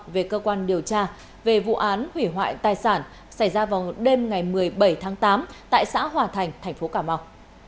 về cơ quan điều tra về vụ án hủy hoại tài sản xảy ra vào đêm một mươi bảy tháng tám tại xã hòa thành tp cà mau